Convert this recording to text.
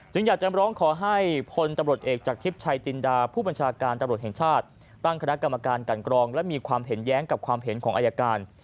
อยากจะร้องขอให้พลตำรวจเอกจากทิพย์ชัยจินดาผู้บัญชาการตำรวจแห่งชาติตั้งคณะกรรมการกันกรองและมีความเห็นแย้งกับความเห็นของอายการ